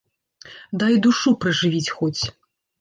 Дай душу пражывіць хоць.